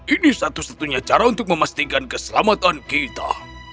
ini satu satunya cara untuk memastikan keselamatan kita